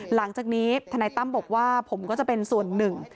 หลังจากนี้ทนายตั้มบอกว่าผมก็จะเป็นส่วนหนึ่ง